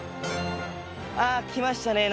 あ来ましたね。